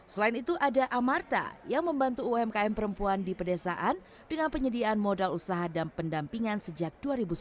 selain itu ada amarta yang membantu umkm perempuan di pedesaan dengan penyediaan modal usaha dan pendampingan sejak dua ribu sembilan belas